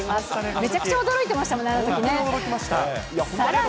めちゃくちゃ驚いてましたもんね、あのときに。